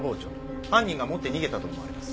犯人が持って逃げたと思われます。